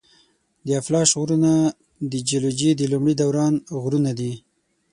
د اپلاش غرونه د جیولوجي د لومړي دوران غرونه دي.